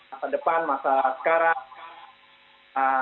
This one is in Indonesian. masa depan masa sekarang